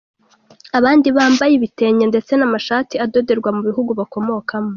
Abandi bambaye ibitenge ndetse n’amashati adoderwa mu bihugu bakomokamo.